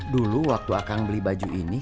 dulu waktu akang beli baju ini